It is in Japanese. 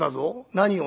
「何を？」。